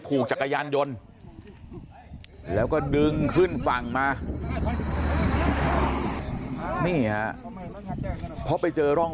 จักรยานยนต์แล้วก็ดึงขึ้นฝั่งมานี่ฮะเพราะไปเจอร่อง